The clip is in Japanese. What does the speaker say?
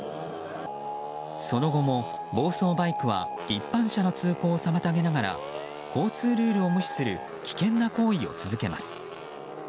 その後も暴走バイクは一般車の通行を妨げながら交通ルールを無視する危険な行為を続けます。